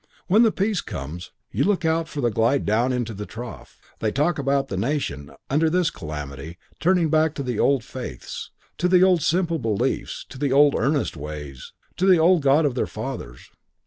When the peace comes, you look out for the glide down into the trough. They talk about the nation, under this calamity, turning back to the old faiths, to the old simple beliefs, to the old earnest ways, to the old God of their fathers.